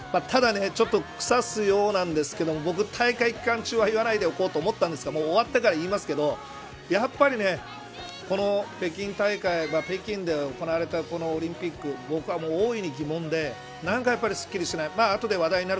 ただ、くさすようなんですけど僕、大会期間中は言わないでおこうと思ったんですが終わったが言いますけどやっぱり、この北京大会北京で行われたこのオリンピック僕は大いに疑問で何かやっぱり、すっきりしない。